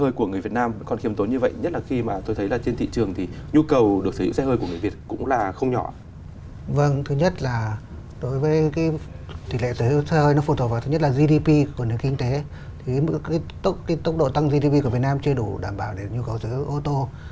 ông có nghĩ là người việt nam sử dụng ô tô